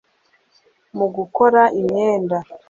mu gukora imyenda